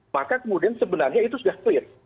maka kemudian sebenarnya itu sudah clear